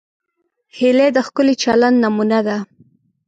هیلۍ د ښکلي چلند نمونه ده